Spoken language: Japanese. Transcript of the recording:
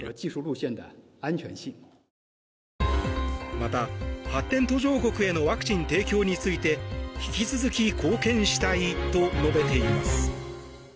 また、発展途上国へのワクチン提供について引き続き貢献したいと述べています。